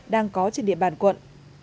đang có trên địa bàn quận